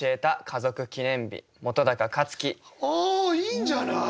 いいんじゃない！？